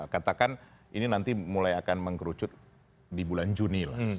katakan ini nanti mulai akan mengkerucut di bulan juni lah